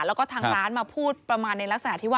แล้วก็ทางร้านมาพูดประมาณในลักษณะที่ว่า